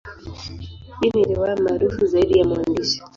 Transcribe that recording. Hii ni riwaya maarufu zaidi ya mwandishi.